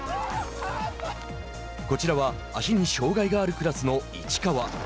こちらは足に障害があるクラスの市川。